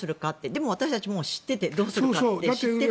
でも私たちは知っててどうするかって。